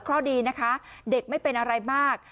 เพราะดีนะคะเด็กไม่เป็นอะไรมาก